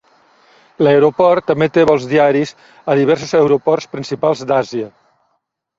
L'Aeroport també té vols diaris a diversos aeroports principals d'Àsia.